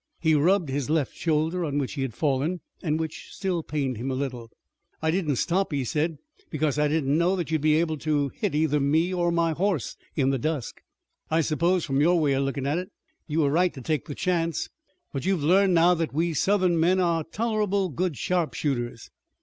He rubbed his left shoulder on which he had fallen and which still pained him a little. "I didn't stop," he said, "because I didn't know that you would be able to hit either me or my horse in the dusk." "I s'pose from your way of lookin' at it you was right to take the chance, but you've learned now that we Southern men are tol'able good sharpshooters."